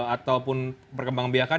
ataupun perkembangan biakan